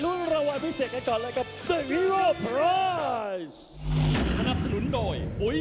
โปรดติดตามต่อไป